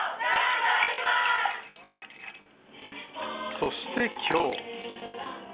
そしてきょう。